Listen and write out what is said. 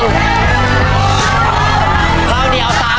ชุดที่๔ข้าวเหนียว๒ห้อชุดที่๔